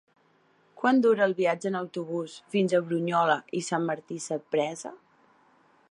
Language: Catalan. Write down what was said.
Quant dura el viatge en autobús fins a Brunyola i Sant Martí Sapresa?